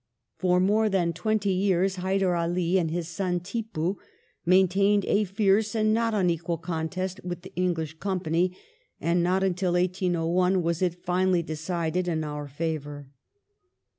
For more than twenty years Haidai* Ali and his son Tipu maintained a fierce and not unequal contest with the English 'V Company, and not until 1801 was it finally decided in our favour.